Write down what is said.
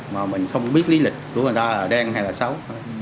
mà mình không biết lý lịch của người ta là đen hay là xấu